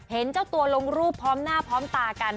เห็นเจ้าตัวลงรูปพร้อมหน้าพร้อมตากัน